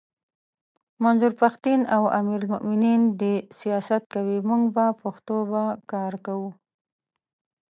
منظور پښتین او امیر المومنین دي سیاست کوي موږ به پښتو به کار کوو!